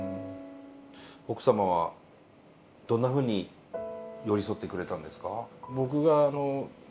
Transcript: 奥様はどんなふうに寄り添ってくれたんですか？